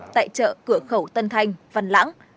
tại chợ cửa khẩu tân thanh văn lãng